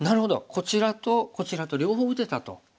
こちらとこちらと両方打てたと。